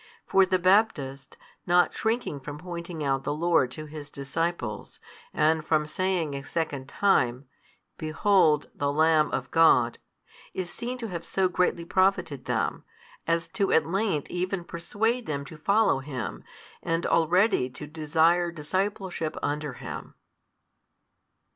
For the Baptist, not shrinking from pointing out the Lord to his disciples, and from saying a second time, Behold the Lamb of God, is seen to have so greatly profited them, as to at length even persuade them to follow Him and already to desire discipleship under Him.